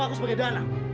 aku sudah berhenti